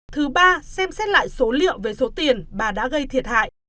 thứ ba xem xét lại số liệu về số tiền bà đã gây thiệt hại